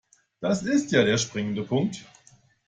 Das ist ja der springende Punkt.